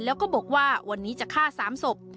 แล้วก็บอกว่าวันนี้จะฆ่า๓ศพ